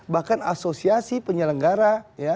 bahkan asosiasi penyelenggara